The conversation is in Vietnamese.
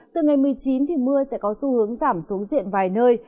từ ngày một mươi chín mưa sẽ có xu hướng giảm xuống diện vài nơi